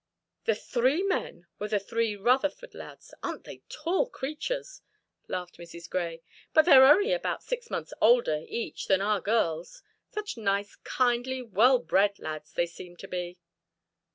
"'The three men' were the three Rutherford lads aren't they tall creatures?" laughed Mrs. Grey. "But they are only about six months older, each, than our girls. Such nice, kindly, well bred lads they seem to be!"